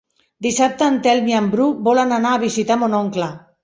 Dissabte en Telm i en Bru volen anar a visitar mon oncle.